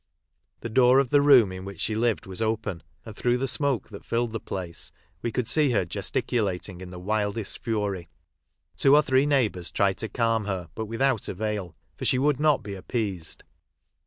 The door of the room in which she lived was open, and through the smoke that filled the place we could see her gesticulating in the wildest fury. Two or three neighbours tried to calm her but without avail, for she would not be appeased.